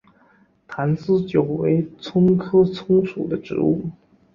坛丝韭为葱科葱属的植物。